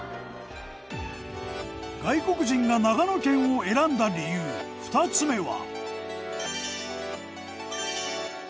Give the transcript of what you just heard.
外国人が長野県を選んだ理由２つ目は。